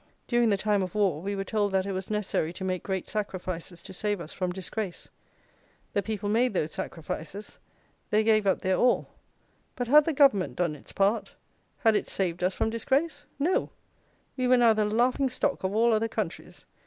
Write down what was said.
During the time of war, we were told that it was necessary to make great sacrifices to save us from disgrace. The people made those sacrifices; they gave up their all. But had the Government done its part; had it saved us from disgrace? No: we were now the laughing stock of all other countries.